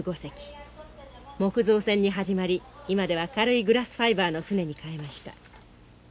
木造船に始まり今では軽いグラスファイバーの舟に替えました。